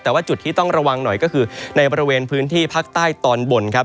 แต่ว่าจุดที่ต้องระวังหน่อยก็คือในบริเวณพื้นที่ภาคใต้ตอนบนครับ